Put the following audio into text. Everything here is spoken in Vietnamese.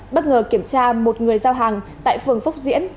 bất ngờ kiểm tra một người giao hàng tại phường phúc diễn